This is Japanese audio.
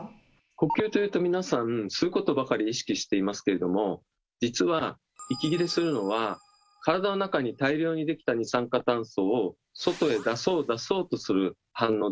呼吸というと皆さん吸うことばかり意識していますけれども実は息切れするのは体の中に大量にできた二酸化炭素を外へ出そう出そうとする反応でもあるんです。